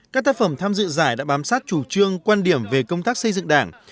các tác phẩm tham dự giải đã bám sát chủ trương quan điểm về công tác xây dựng đảng